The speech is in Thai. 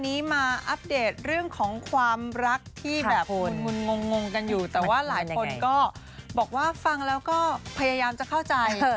วันนี้มาอัปเดตเรื่องของความรักที่แบบคนงงกันอยู่แต่ว่าหลายคนก็บอกว่าฟังแล้วก็พยายามจะเข้าใจ